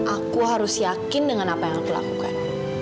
aku harus yakin dengan apa yang aku lakukan